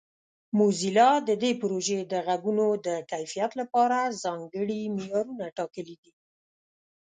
موزیلا د دې پروژې د غږونو د کیفیت لپاره ځانګړي معیارونه ټاکلي دي.